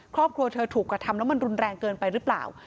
ครอบครัวเธอถูกกระทำแล้วมันรุนแรงเกินไปหรือเปล่า